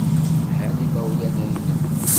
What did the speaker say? Lhan yimawlan-nnem.